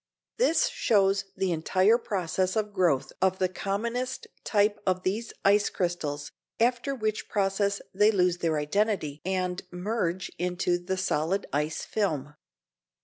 This shows the entire process of growth of the commonest type of these ice crystals, after which process they lose their identity and merge into the solid ice film.